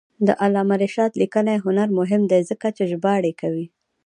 د علامه رشاد لیکنی هنر مهم دی ځکه چې ژباړې کوي.